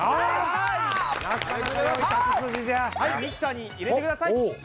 はいミキサーに入れてください。